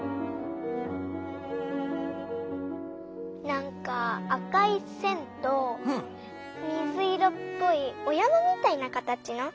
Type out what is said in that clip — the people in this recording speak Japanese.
なんか赤い線と水色っぽいお山みたいな形の。